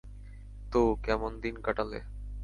তো, কেমন দিন কাটালে?